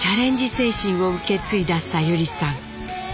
精神を受け継いださゆりさん。